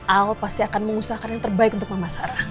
al pasti akan mengusahakan yang terbaik untuk mama sarah